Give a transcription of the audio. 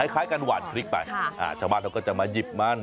อ๋อคล้ายการหว่านพริกไปค่ะอ่าชาวบ้านเราก็จะมาหยิบมัน